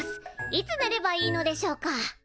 いつねればいいのでしょうか？